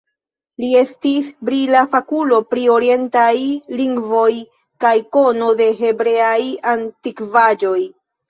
Li estis brila fakulo pri orientaj lingvoj kaj kono de hebreaj antikvaĵoj.